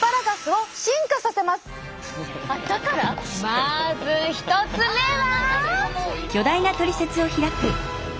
まず１つ目は？